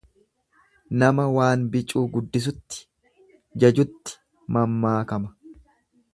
Nama waan bicuu guddisutti, jajutti mammaakama.